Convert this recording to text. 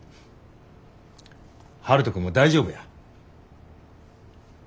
悠人君も大丈夫や。